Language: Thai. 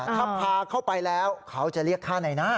ถ้าพาเข้าไปแล้วเขาจะเรียกค่าในหน้า